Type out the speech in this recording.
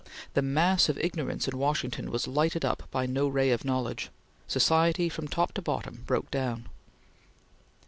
The mass of ignorance in Washington was lighted up by no ray of knowledge. Society, from top to bottom, broke down.